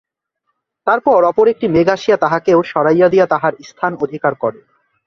তারপর অপর একটি মেঘ আসিয়া তাহাকেও সরাইয়া দিয়া তাহার স্থান অধিকার করে।